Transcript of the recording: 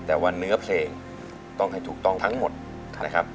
แต่ว่าเนื้อเพลงต้องให้ถูกต้องทั้งหมดนะครับ